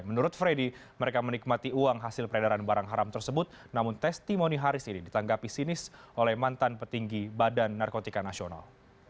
menurut freddy mereka menikmati uang hasil peredaran barang haram tersebut namun testimoni haris ini ditanggapi sinis oleh mantan petinggi badan narkotika nasional